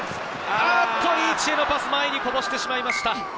リーチへのパス、前にこぼしてしまいました。